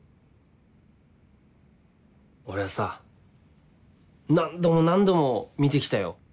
俺さ何度も何度も見て来たよ。